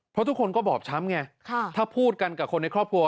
เพราะทุกคนก็บอบช้ำไงถ้าพูดกันกับคนในครอบครัว